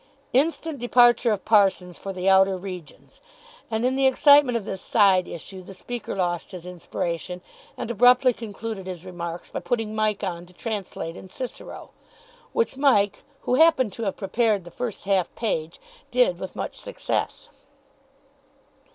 Instant departure of Parsons for the outer regions. And, in the excitement of this side issue, the speaker lost his inspiration, and abruptly concluded his remarks by putting Mike on to translate in Cicero. Which Mike, who happened to have prepared the first half page, did with much success.